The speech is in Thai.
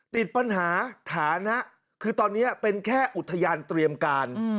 ติดปัญหาฐานะคือตอนนี้เป็นแค่อุทยานเตรียมการ